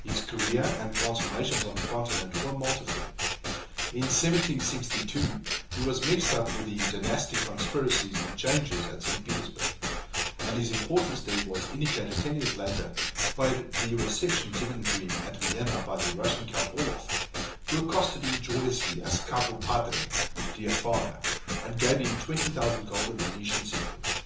His career and transformations on the Continent were multiform. In 1762, he was mixed up with the dynastic conspiracies and changes at St. Petersburg; and his importance there was indicated ten years later, by the reception given to him at Vienna by the Russian Count Orloff, who accosted him joyously as "caro padre" (dear father,) and gave him twenty thousand golden Venetian sequins.